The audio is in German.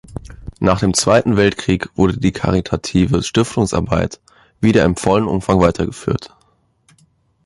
Nach dem Zweiten Weltkrieg wurde die karitative Stiftungsarbeit wieder in vollem Umfang weitergeführt.